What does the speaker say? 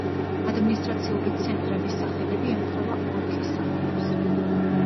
ადმინისტრაციული ცენტრების სახელები ემთხვევა ოლქის სახელებს.